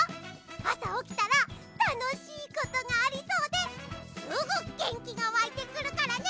あさおきたらたのしいことがありそうですぐげんきがわいてくるからね。